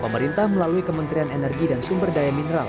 pemerintah melalui kementerian energi dan sumber daya mineral